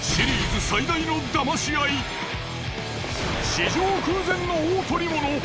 史上空前の大捕物。